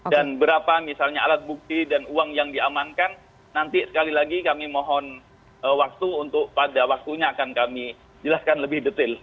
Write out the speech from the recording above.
dan berapa misalnya alat bukti dan uang yang diamankan nanti sekali lagi kami mohon waktu untuk pada waktunya akan kami jelaskan lebih detail